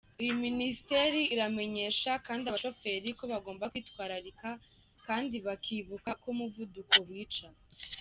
Iyi Minisiteri iramenyesha kandi abashoferi ko bagomba kwitwararika kandi bakibuka ko umuvuduko wica.